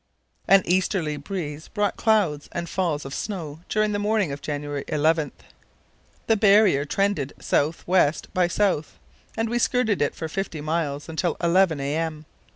An easterly breeze brought cloud and falls of snow during the morning of January 11. The barrier trended south west by south, and we skirted it for fifty miles until 11 am.